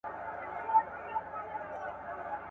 باید د انبیاوو سنت د شخصي شوق لپاره وسیله نه شي.